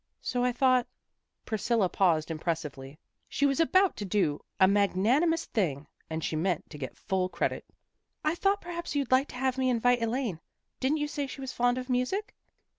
So I thought " Priscilla paused impressively. She was about to do an magnanimous thing, and she meant to get full credit. " I thought perhaps you'd like to have me invite Elaine. Didn't you say she was fond of music?